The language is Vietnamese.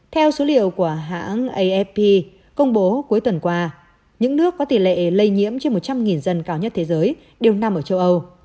theo số liệu của hãng afp công bố cuối tuần qua những nước có tỷ lệ lây nhiễm trên một trăm linh dân cao nhất thế giới đều nằm ở châu âu